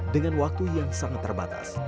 dengan waktu yang sangat terbatas